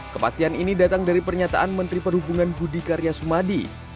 kepastian ini datang dari pernyataan menteri perhubungan budi karya sumadi